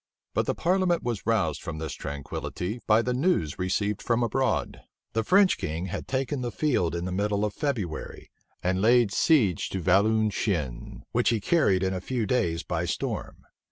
But the parliament was roused from this tranquillity by the news received from abroad. The French king had taken the field in the middle of February, and laid siege to Valenciennes, which he carried in a few days by storm.